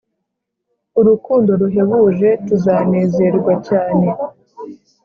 Urukundo ruhebuje, tuzanezerwa cyane.